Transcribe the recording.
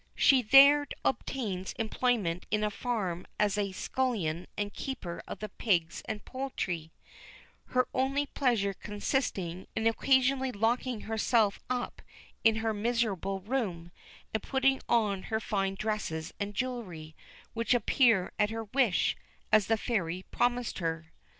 She there obtains employment in a farm as a scullion and keeper of the pigs and poultry, her only pleasure consisting in occasionally locking herself up in her miserable room, and putting on her fine dresses and jewellery, which appear at her wish, as the Fairy promised her.